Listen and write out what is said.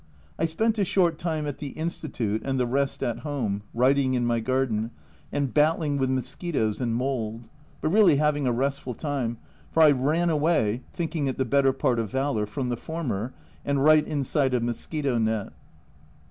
I spent a short time at the Institute and the rest at home, writing in my garden, and battling with mosquitoes and mould, but really having a restful time, for I ran away (thinking it the better part of valour) from the former, and write inside a mosquito net.